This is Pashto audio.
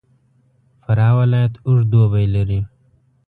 فراه ولایت اوږد دوبی لري.